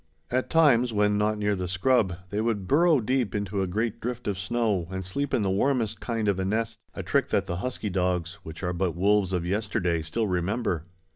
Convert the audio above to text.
At times, when not near the scrub, they would burrow deep into a great drift of snow and sleep in the warmest kind of a nest, a trick that the husky dogs, which are but wolves of yesterday, still remember.